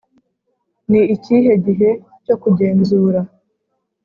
ni ikihe gihe cyo kugenzura?